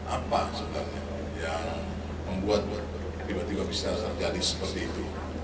apa sebenarnya yang membuat tiba tiba bisa terjadi seperti itu